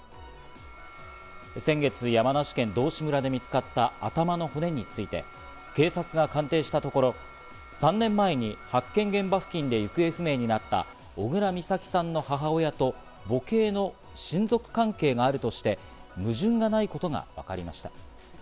先月、山梨県道志村で見つかった頭の骨について、警察が鑑定したところ、３年前に発見現場付近で行方不明になった小倉美咲さんの母親と母系の親族関係があるとして矛盾がないことがわかりました。